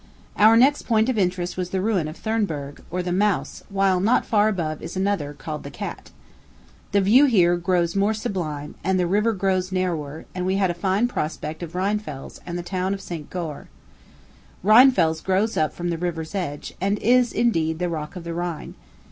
Our next point of interest was the ruin of Thurnberg, or the Mouse; while not far above is another, called the Cat. The view here grows more sublime, and the river grows narrower; and we had a fine prospect of Rheinfels and the town of St. Goar. Rheinfels grows up from the river's edge, and is, indeed, the rock of the Rhine.